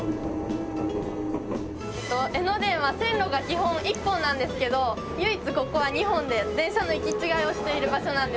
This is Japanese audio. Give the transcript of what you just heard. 江ノ電は線路が基本１本なんですけど唯一ここは２本で電車の行き違いをしている場所なんです。